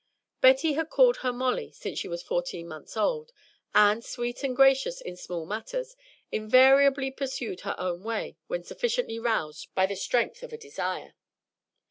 Betty had called her Molly since she was fourteen months old, and, sweet and gracious in small matters, invariably pursued her own way when sufficiently roused by the strength of a desire.